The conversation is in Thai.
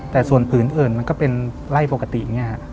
แต่ส่วนผืนอื่นมันก็เป็นไร่ปกติอย่างนี้ฮะ